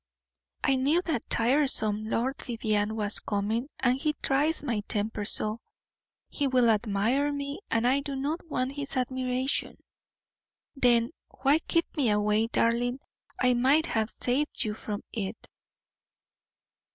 "I knew that tiresome Lord Vivianne was coming, and he tries my temper so; he will admire me, and I do not want his admiration." "Then why keep me away, darling; I might have saved you from it."